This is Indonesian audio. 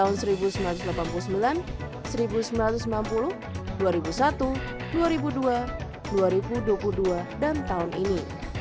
toto juga memiliki pengalaman untuk menempingi calon anggota paski beraka pada tahun seribu sembilan ratus delapan puluh sembilan seribu sembilan ratus sembilan puluh dua ribu satu dua ribu dua dua ribu dua puluh dua dan tahun ini